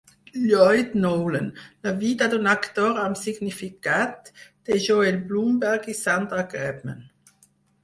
"Lloyd Nolan: La vida d'un actor amb significat," de Joel Blumberg i Sandra Grabman.